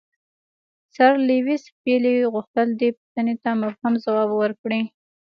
سر لیویس پیلي غوښتل دې پوښتنې ته مبهم ځواب ورکړي.